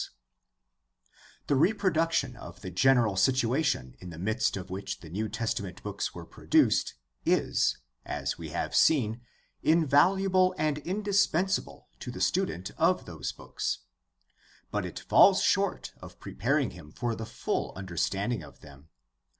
— The reproduction of the general situation in the midst of which the New Testament books were produced is, as we have seen, invaluable and indispensable to the student of those books. But it falls short of preparing him for the full understanding of them.